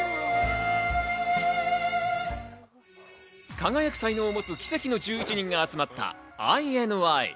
輝く才能を持つ奇跡の１１人が集まったＩＮＩ。